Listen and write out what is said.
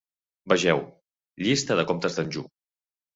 Vegeu: llista de comtes d'Anjou.